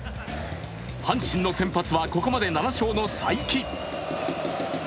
阪神の先発はここまで７勝の才木。